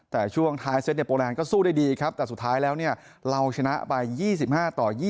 แต่ช่วงท้ายเซตโปรแลนดก็สู้ได้ดีครับแต่สุดท้ายแล้วเนี่ยเราชนะไป๒๕ต่อ๒๒